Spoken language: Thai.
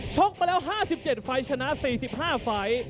กมาแล้ว๕๗ไฟล์ชนะ๔๕ไฟล์